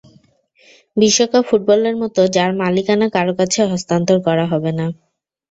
বিশ্বকাপ ফুটবলের মতো যার মালিকানা কারও কাছে হস্তান্তর করা হবে না।